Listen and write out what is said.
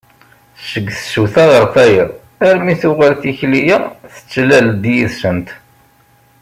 Seg tsuta ɣer tayeḍ armi tuɣal tikli-a tettlal-d yid-sent.